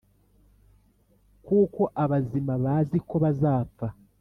kuko abazima bazi ko bazapfa